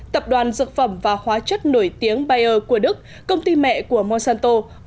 tập đoàn dược phẩm và hóa chất nổi tiếng bayer của đức công ty mẹ của monsanto